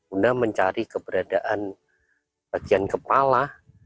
guna mencari keberadaan bagian kepala